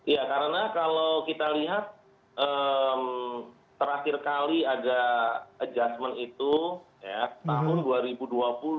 ya karena kalau kita lihat terakhir kali ada adjustment itu tahun dua ribu dua puluh